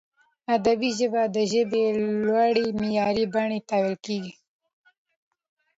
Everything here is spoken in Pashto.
ادبي ژبه د ژبي لوړي معیاري بڼي ته ویل کیږي.